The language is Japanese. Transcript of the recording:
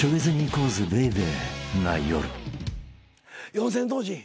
四千頭身